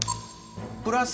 プラス